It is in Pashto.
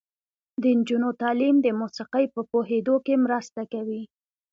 د نجونو تعلیم د موسیقۍ په پوهیدو کې مرسته کوي.